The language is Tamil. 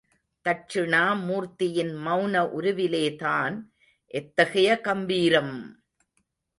தட்சிணாமூர்த்தியின் மௌன உருவிலேதான் எத்தகைய கம்பீரம்!